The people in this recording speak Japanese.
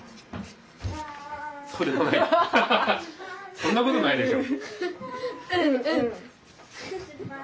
そんなことないでしょ。